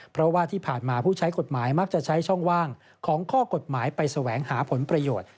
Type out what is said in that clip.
เพราะว่าที่ผ่านมาผู้ใช้กฎหมายมักจะใช้ช่องว่างของข้อกฎหมายไปแสวงหาผลประโยชน์